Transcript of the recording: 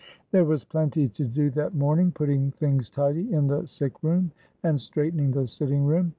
There was plenty to do that morning, putting things tidy in the sick room and straightening the sitting room.